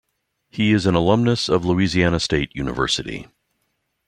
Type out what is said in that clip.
He is an alumnus of Louisiana State University.